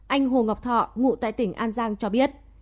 anh hồ ngọc thọ ngụ tại tỉnh an giang cho biết